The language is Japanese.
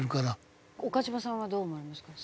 岡島さんはどう思われますか？